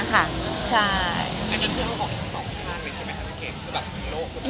แล้วก็เพื่อนของคุณสองช่างเลยใช่ไหมค่ะคุณเกรด